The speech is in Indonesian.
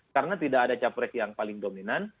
karena tidak ada capres yang paling dominan